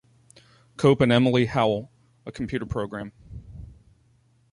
Cope and Emily Howell, a computer program.